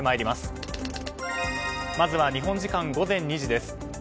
まずは日本時間午前２時です。